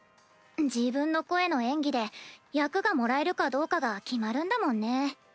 自分の声の演技で役がもらえるかどうかが決まるんだもんね。